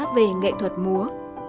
về nghệ thuật múa